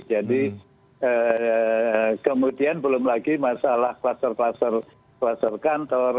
jadi kemudian belum lagi masalah kluster kluster kantor